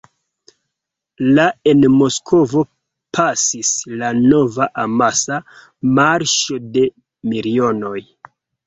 La en Moskvo pasis la nova amasa "Marŝo de milionoj".